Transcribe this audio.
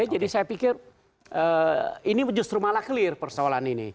jadi saya pikir ini justru malah clear persoalan ini